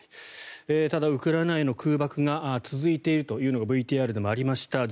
ただウクライナへの空爆が続いているというのがＶＴＲでもありました。